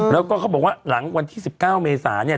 แล้วก็เขาบอกว่าหลังวันที่๑๙เมษาเนี่ย